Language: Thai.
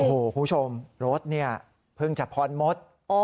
คุณผู้ชมรถนี่เพิ่งจะพรหมด